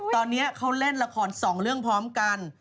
ตอนนี้เขาเล่นละคร๒เรื่องพร้อมกัน